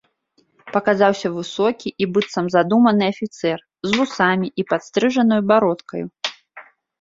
Паказаўся высокі і быццам задуманы афіцэр, з вусамі і падстрыжанаю бародкаю.